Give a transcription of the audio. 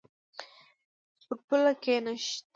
پر پوله کښېناست.